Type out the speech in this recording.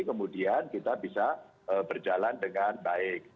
kemudian kita bisa berjalan dengan baik